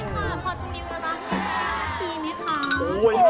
ใช่ค่ะพอจะมีเวลาครั้งนี้จะมี๕ปีไหมคะ